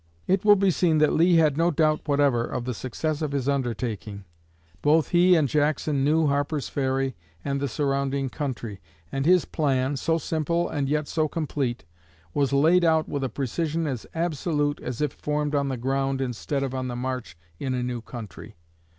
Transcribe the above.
It will be seen that Lee had no doubt whatever of the success of his undertaking. Both he and Jackson knew Harper's Ferry and the surrounding country, and his plan, so simple and yet so complete, was laid out with a precision as absolute as if formed on the ground instead of on the march in a new country.